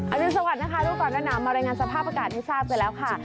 อันนี้สวัสดีนะคะดูก่อนกระหน่าวมารายงานสภาพอากาศไปแล้วค่ะ